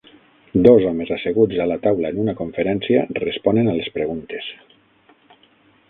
Dos homes asseguts a la taula en una conferència responen a les preguntes.